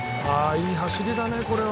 いい走りだねこれは。